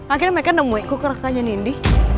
akhirnya mereka nemuin kok kerangkanya nindi